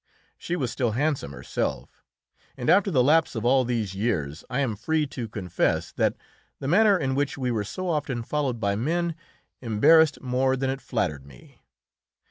She was still handsome herself, and after the lapse of all these years I am free to confess that the manner in which we were so often followed by men embarrassed more than it flattered me.